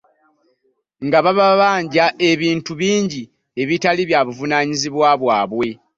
Nga bababanja ebintu bingi ebitali buvunaanyizibwa bwabwe.